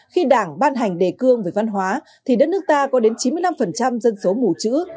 khi đảng ban hành đề cương về văn hóa thì đất nước ta có đến chín mươi năm dân số mù chữ